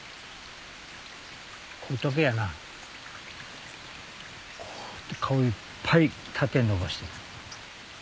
こういう時はなこうやって顔いっぱい縦にのばして。